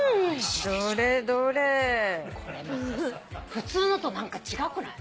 普通のと何か違くない？